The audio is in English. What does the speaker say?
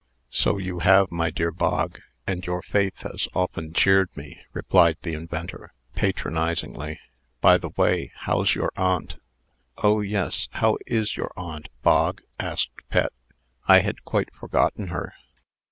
"So you have, my dear Bog; and your faith has often cheered me," replied the inventor, patronizingly. "By the way, how's your aunt?" "Oh, yes; how is your aunt, Bog?" asked Pet. "I had quite forgotten her."